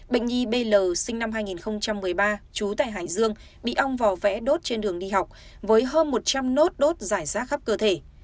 bệnh nhi bl sinh năm hai nghìn một mươi ba trú tại hải dương bị ong vò vẽ đốt trên đường đi học với hơn một trăm linh nốt đốt giải rác khắp cơ thể